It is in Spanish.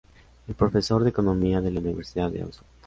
Es profesor de economía en la Universidad de Oxford.